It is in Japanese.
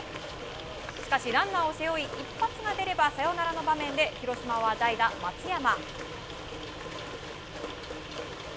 しかしランナーを背負い一発が出ればサヨナラの場面で広島は代打、松山。